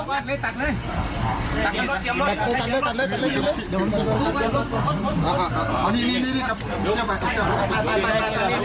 สวัสดีครับสวัสดีครับ